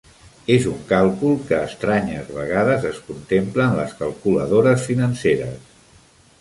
És un càlcul que estranyes vegades es contempla en les calculadores financeres.